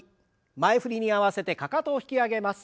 前振りに合わせてかかとを引き上げます。